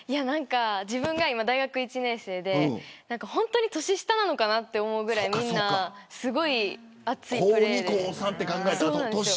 自分が大学１年生で本当に年下なのかなと思うぐらいすごい熱いプレーで。